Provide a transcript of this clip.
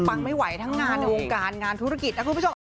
ไม่ไหวทั้งงานในวงการงานธุรกิจนะคุณผู้ชม